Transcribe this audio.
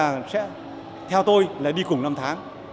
và sẽ theo tôi là đi cùng năm tháng